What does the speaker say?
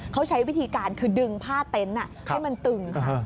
เขาใช้วิธีการคือดึงผ้าเต็นต์ให้มันตึงค่ะ